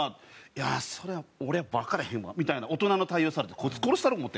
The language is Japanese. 「いやあそれは俺はわからへんわ」みたいな大人の対応されてこいつ殺したろう思って。